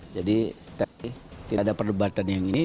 jadi kita ada perdebatan yang ini